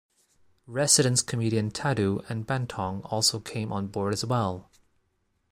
Resident comedians Tado and Bentong also came on board as well.